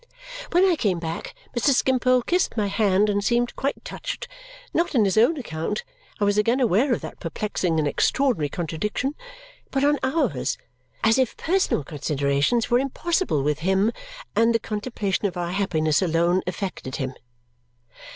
When I came back, Mr. Skimpole kissed my hand and seemed quite touched. Not on his own account (I was again aware of that perplexing and extraordinary contradiction), but on ours, as if personal considerations were impossible with him and the contemplation of our happiness alone affected him.